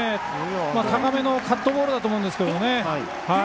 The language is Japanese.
高めのカットボールだと思うんですが。